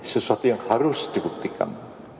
sesuatu yang harus dibuktikan